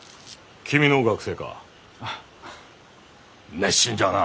熱心じゃな。